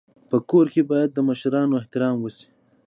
په کور کي باید د مشرانو احترام وسي.